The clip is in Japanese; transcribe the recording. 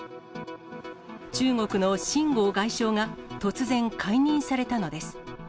中国の秦剛外相が突然解任されたのです。